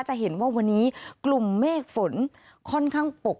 จะเห็นว่าวันนี้กลุ่มเมฆฝนค่อนข้างปก